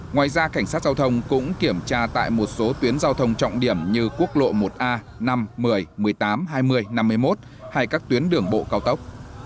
ngoài ra cảnh sát giao thông cũng kiểm tra tại một số tuyến giao thông trọng điểm như quốc lộ một a năm một mươi một mươi tám hai mươi năm mươi một hay các tuyến đường bộ cao tốc